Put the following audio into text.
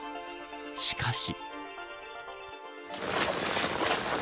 しかし。